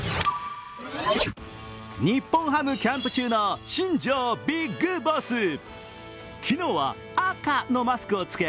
日本ハムキャンプ中の新庄ビッグボス。